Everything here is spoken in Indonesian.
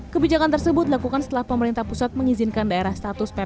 kebijakan tersebut dilakukan setelah pemerintah pusat mengizinkan daerah status ppkm